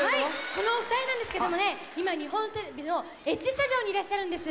このお２人なんですけどもね今日本テレビのＨスタジオにいらっしゃるんです。